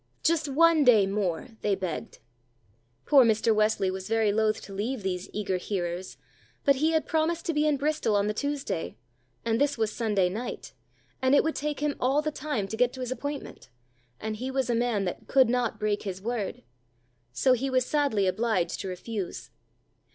"Just one day more," they begged. Poor Mr. Wesley was very loth to leave these eager hearers, but he had promised to be in Bristol on the Tuesday, and this was Sunday night, and it would take him all the time to get to his appointment, and he was a man that could not break his word. So he was sadly obliged to refuse.